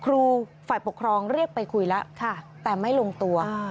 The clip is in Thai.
ครูฝ่ายปกครองเรียกไปคุยแล้วแต่ไม่ลงตัว